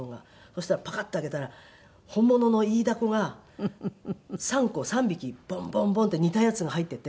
そしたらパカッて開けたら本物のイイダコが３個３匹ボンボンボンって煮たやつが入ってて